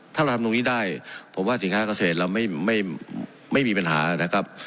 ถ้าเราทำตรงนี้ได้ผมว่าสินค้าเกษตรเราไม่มีปัญหานะครับ